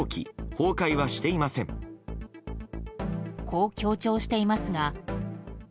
こう強調していますが。